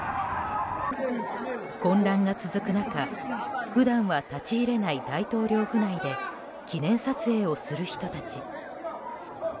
混乱が続く中、普段は立ち入れない大統領府内で記念撮影をする人たち。